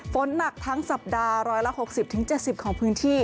ฝนหนักทั้งสัปดาห์๑๖๐๗๐ของพื้นที่